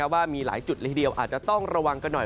ว่ามีหลายจุดละทีเดียวอาจจะต้องระวังกันหน่อย